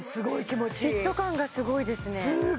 フィット感がすごいですね